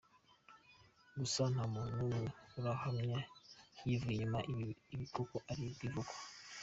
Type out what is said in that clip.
Gusa, nta muntu n’umwe urahamya yivuye inyuma ibi, kuko ari ibivugwa.